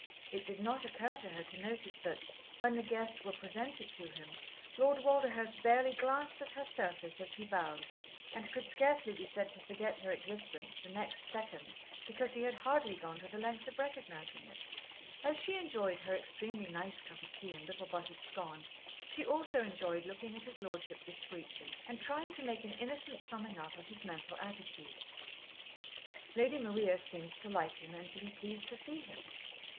It did not occur to her to notice that, when the guests were presented to him, Lord Walderhurst barely glanced at her surface as he bowed, and could scarcely be said to forget her existence the next second, because he had hardly gone to the length of recognising it. As she enjoyed her extremely nice cup of tea and little buttered scone, she also enjoyed looking at his Lordship discreetly, and trying to make an innocent summing up of his mental attitudes. Lady Maria seemed to like him and to be pleased to see him.